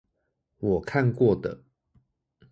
我看過的